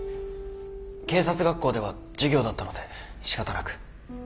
警察学校では授業だったので仕方なく。